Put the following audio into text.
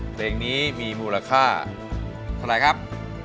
เพลงนี้มีมูลค่าเท่าไหร่ครับ